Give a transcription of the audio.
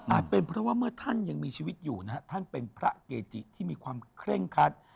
เป็นเพราะว่าเมื่อท่านยังมีชีวิตอยู่นะฮะท่านเป็นพระเกจิที่มีความเคร่งคัด